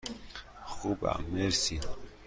خوبم، مرسی.